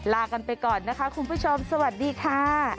ลากันไปก่อนนะคะคุณผู้ชมสวัสดีค่ะ